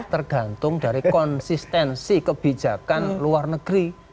tergantung dari konsistensi kebijakan luar negeri